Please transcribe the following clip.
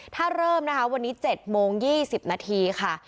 ถ้าเริ่มนะคะวันนี้เจ็ดโมงยี่สิบนาทีค่ะ